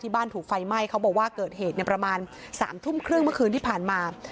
บ้านถูกไฟไหม้เขาบอกว่าเกิดเหตุประมาณ๓ทุ่มครึ่งเมื่อคืนที่ผ่านมา